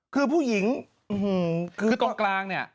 คือผู้หญิงอื้อหือคือตรงกลางนี่